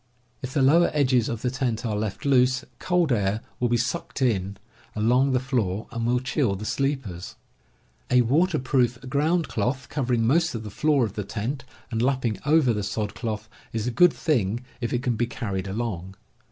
If the lower edges of the tent are left loose, cold air will be sucked in along the floor and will chill the sleepers. A waterproof ground cloth, covering most of the floor of the tent and lapping over the sod cloth, is a good p . thing if it can be carried along.